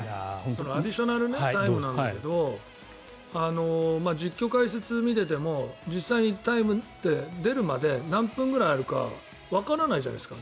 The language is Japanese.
アディショナルタイムなんだけど実況、解説を見てても実際に、タイムって出るまで何分くらいあるかわからないじゃないですか。